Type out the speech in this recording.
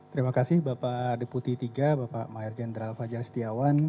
terima kasih bapak deputi tiga bapak mayor jenderal fajar setiawan